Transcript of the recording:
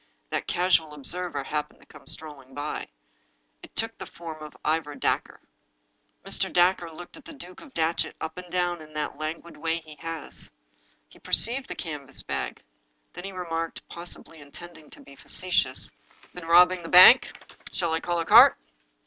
That casual observer happened to come strolling by. It took the form of Ivor Dacre. Mr. Dacre looked the Duke of Datchet up and down in that languid way he has. He perceived the canvas bag. Then he remarked, possibly intending to be facetious: "Been robbing the bank? Shall I call a cart?"